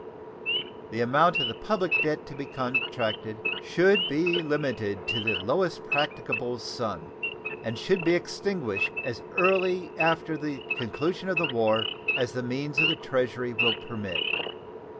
The amount of the public debt to be contracted should be limited to the lowest practicable sum, and should be extinguished as early after the conclusion of the war as the means of the Treasury will permit.